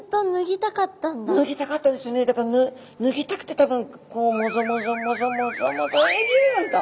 だから脱ぎたくて多分こうもぞもぞもぞもぞもぞびゅんっと。